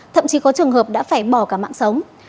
thậm chí có trường hợp đã phải bỏ cả mạng sống